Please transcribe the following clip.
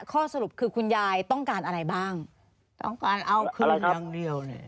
ข้อสรุปคือคุณยายต้องการอะไรบ้างต้องการเอาคืนอย่างเดียวเนี่ย